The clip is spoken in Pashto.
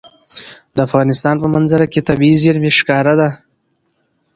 د افغانستان په منظره کې طبیعي زیرمې ښکاره ده.